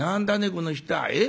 この人は。ええ？